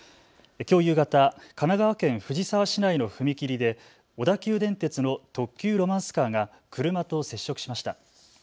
きょう夕方、神奈川県藤沢市内の踏切で小田急電鉄の特急ロマンスカーが車と接触しました。